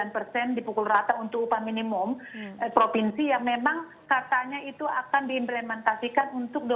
satu sembilan persen dipukul rata untuk upah minimum provinsi yang memang katanya itu akan diimplementasikan